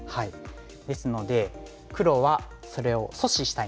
ですので黒はそれを阻止したいんですよね。